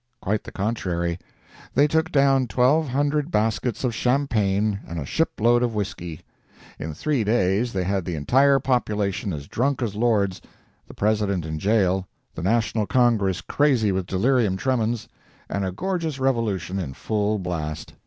Quite the contrary. They took down twelve hundred baskets of champagne and a ship load of whisky. In three days they had the entire population as drunk as lords, the President in jail, the National Congress crazy with delirium tremens, and a gorgeous revolution in full blast!